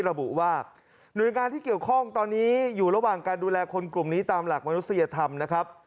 ระบุว่าหน่วยงานที่เกี่ยวข้องตอนนี้อยู่ระหว่างการดูแลคนกลุ่มนี้ตามหลักมนุษยธรรมนะครับ